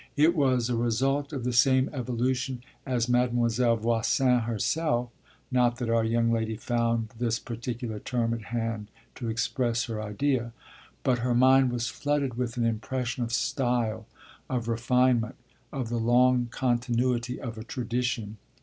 It was a result of the same evolution as Mademoiselle Voisin herself not that our young lady found this particular term at hand to express her idea. But her mind was flooded with an impression of style, of refinement, of the long continuity of a tradition.